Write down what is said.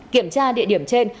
kiểm tra địa điểm trên